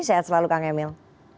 sehat selalu kang emil